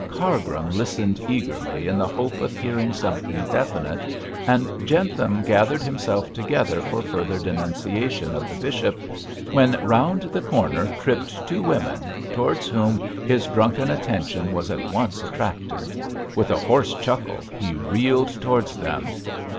Cargrim listened eagerly in the hope of hearing something definite, and Jentham gathered himself together for further denunciation of the bishop, when round the corner tripped two women, towards whom his drunken attention was at once attracted. With a hoarse chuckle he reeled towards them.